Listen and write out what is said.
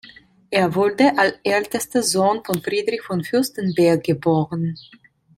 Er wurde als ältester Sohn von Friedrich von Fürstenberg geboren.